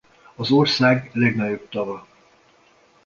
Az ország legnagyobb tava.